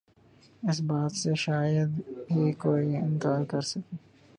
اس بات سے شاید ہی کوئی انکار کرسکے